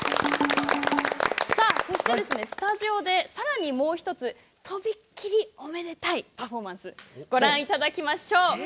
そして、スタジオでさらにもう１つとびっきりおめでたいパフォーマンスご覧いただきましょう。